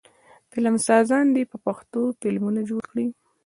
فلمسازان دې په پښتو فلمونه جوړ کړي.